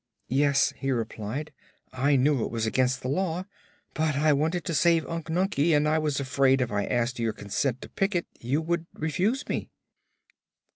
"Yes," he replied. "I knew it was against the Law, but I wanted to save Unc Nunkie and I was afraid if I asked your consent to pick it you would refuse me."